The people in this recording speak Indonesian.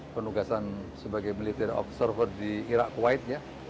penugasan sebagai military observer di iraq wide ya